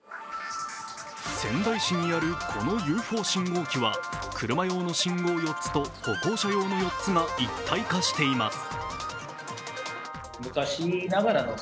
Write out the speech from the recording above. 仙台市にあるこのＵＦＯ信号機は車用の信号４つと歩行者用の４つが一体化しています。